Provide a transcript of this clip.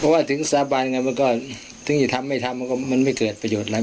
เพราะว่าถึงสาบาลหรือยังแต่ถึงทำไม่ทำมันไม่เกิดประโยชน์แล้ว